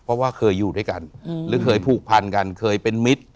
เพราะว่าเคยอยู่ด้วยกันหรือเคยผูกพันกันเคยเป็นมิตร